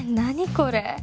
これ。